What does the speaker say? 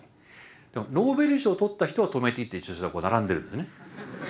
でもノーベル賞取った人は止めていいっていう駐車場が並んでるんですね。